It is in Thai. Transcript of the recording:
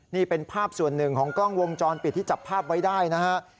นี่เป็นภาพส่วนหนึ่งของกล้องวงจรปิดที่จับภาพไว้ได้นะฮะ